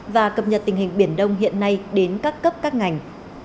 và cập nhật tình hình biển đông hiện nay đến các cấp các ngành